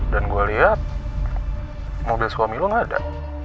dan gue liat mobil suami lo gak ada